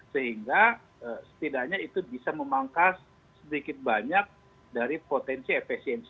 sehingga setidaknya itu bisa memangkas sedikit banyak dari potensi efisiensi